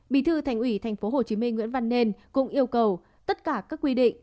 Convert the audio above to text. bí thư thành ủy tp hcm nguyễn văn nên cũng yêu cầu tất cả các quy định